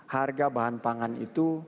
harga bahan pangan itu